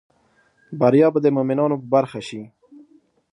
بریا به د مومینانو په برخه شي